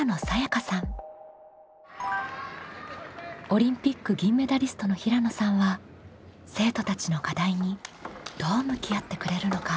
オリンピック銀メダリストの平野さんは生徒たちの課題にどう向き合ってくれるのか？